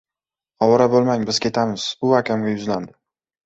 — Ovora bo‘lmang, biz ketamiz, — u akamga yuzlandi.